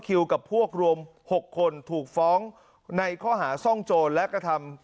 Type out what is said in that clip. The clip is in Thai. กับพวกรวม๖คนถูกฟ้องในข้อหาซ่องโจรและกระทำ